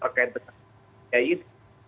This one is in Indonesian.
terkait dengan p tiga